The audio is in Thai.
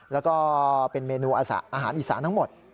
แล้วก็เป็นเมนูอาหารอีสานทั้งหมด